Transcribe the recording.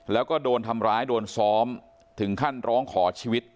แล้วก็โดนทำร้ายโดนซ้อมถึงขั้นร้องขอชีวิต